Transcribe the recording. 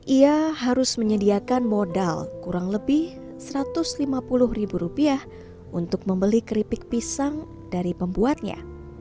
ia harus menyediakan modal kurang lebih satu ratus lima puluh ribu rupiah untuk membeli keripik pisang dari pembuatnya